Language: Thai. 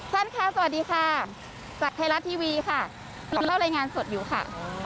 สวัสดีค่ะจากไทยรัสทีวีค่ะเราเล่ารายงานสดอยู่ค่ะ